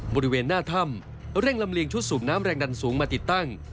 บริเวณหน้าถ้ำเร่งลำเลียงชุดสูบน้ำแรงดันสูงมาติดตั้ง